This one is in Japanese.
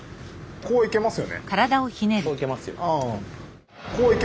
こう行けますよ。